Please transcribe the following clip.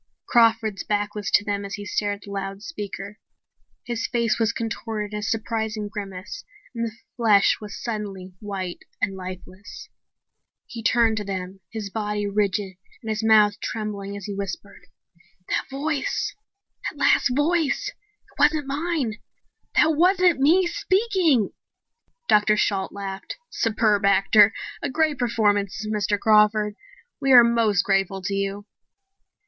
Crawford's back was to them as he stared at the loudspeaker. His face was contorted in a surprised grimace and the flesh was suddenly white and lifeless. He turned to face them, his body rigid and his mouth trembling as he whispered: "That voice that last voice it wasn't mine! That wasn't me speaking!" Dr. Shalt laughed. "Superb actor. A great performance, Mr. Crawford. We are most grateful to you."